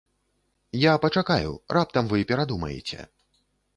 Я пачакаю, раптам вы перадумаеце.